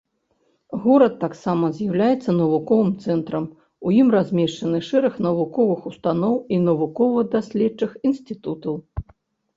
Горад таксама з'яўляецца навуковым цэнтрам, у ім размешчаны шэраг навуковых устаноў і навукова-даследчых інстытутаў.